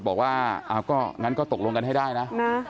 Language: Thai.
จะไม่เคลียร์กันได้ง่ายนะครับ